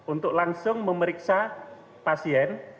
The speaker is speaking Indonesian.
untuk langsung memeriksa pasien